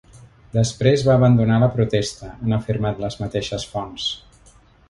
Després va abandonar la protesta, han afirmat les mateixes fonts.